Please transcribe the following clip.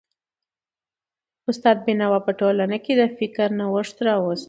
استاد بينوا په ټولنه کي د فکر نوښت راوست.